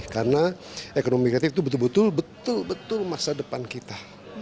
karena ekonomi kreatif itu betul betul masa depan kita